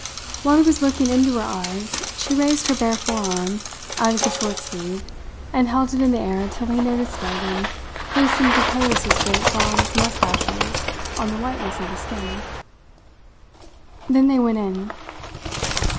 While he was looking into her eyes she raised her bare forearm, out of the short sleeve, and held it in the air till he noticed it and hastened to pose his great bronze moustaches on the whiteness of the skin. Then they went in.